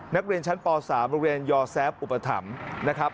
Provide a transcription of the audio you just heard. นักเรียนชั้นป๓โรงเรียนยอแซฟอุปถัมภ์นะครับ